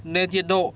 nên nhiệt độ